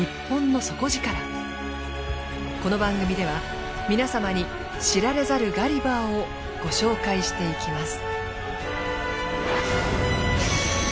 この番組では皆様に知られざるガリバーをご紹介していきます。